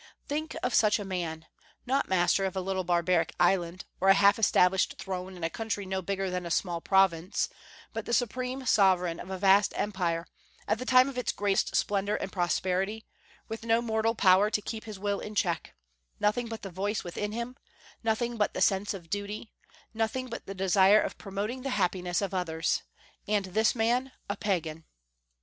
Think of such a man, not master of a little barbaric island or a half established throne in a country no bigger than a small province, but the supreme sovereign of a vast empire, at the time of its greatest splendor and prosperity, with no mortal power to keep his will in check, nothing but the voice within him; nothing but the sense of duty; nothing but the desire of promoting the happiness of others: and this man a Pagan!